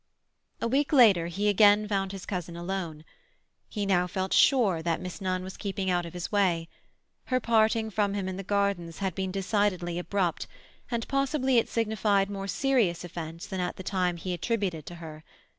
A week later he again found his cousin alone. He now felt sure that Miss Nunn was keeping out of his way. Her parting from him in the gardens had been decidedly abrupt, and possibly it signified more serious offence than at the time he attributed to her.